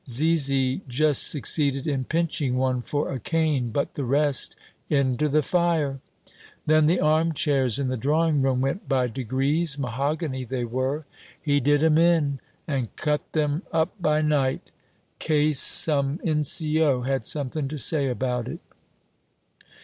Zizi just succeeded in pinching one for a cane, but the rest into the fire! Then the arm chairs in the drawing room went by degrees mahogany, they were. He did 'em in and cut them up by night, case some N.C.O. had something to say about it."